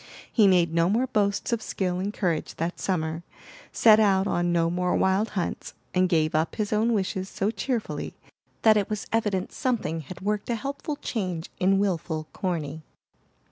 He made no more boasts of skill and courage that summer, set out on no more wild hunts, and gave up his own wishes so cheerfully that it was evident something had worked a helpful change in wilful Corny.